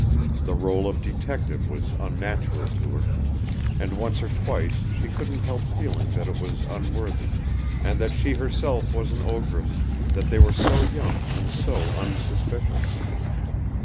The rôle of detective was unnatural to her, and once or twice she couldn't help feeling that it was unworthy, and that she herself was an ogress, they were so young and so unsuspicious.